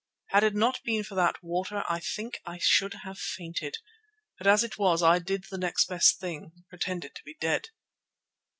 Had it not been for that water I think I should have fainted, but as it was I did the next best thing—pretended to be dead.